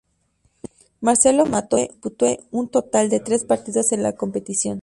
Marcelo Mattos disputó un total de tres partidos en la competición.